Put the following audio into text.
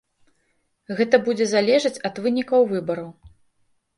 Гэта будзе залежаць ад вынікаў выбараў.